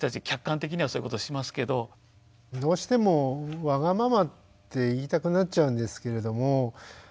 客観的にはそういうことをしますけど。どうしてもわがままって言いたくなっちゃうんですけれども。